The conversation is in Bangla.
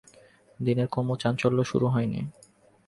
দিনের কর্মচাঞ্চল্য শুরু হয় নি।